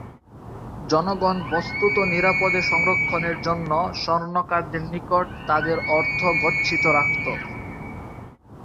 জনগণ বস্ত্তত নিরাপদে সংরক্ষণের জন্য স্বর্ণকারদের নিকট তাদের অর্থ গচ্ছিত রাখত।